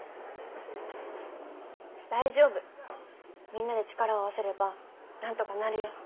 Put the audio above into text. みんなで力を合わせればなんとかなるよ。